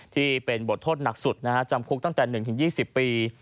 ที่เป็นบทโทษหนักสุดจำคุกตั้งแต่๑๒๐ปี